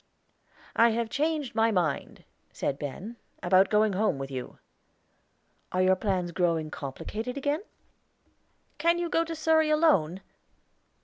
"I have changed my mind," said Ben, "about going home with you." "Are your plans growing complicated again?" "Can you go to Surrey alone?"